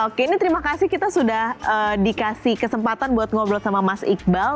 oke ini terima kasih kita sudah dikasih kesempatan buat ngobrol sama mas iqbal